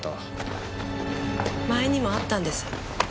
前にもあったんです。